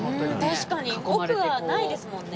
確かに奥はないですもんね。